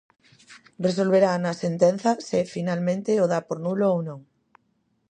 Resolverá na sentenza se finalmente o dá por nulo ou non.